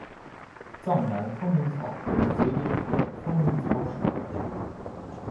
藏南风铃草为桔梗科风铃草属的植物。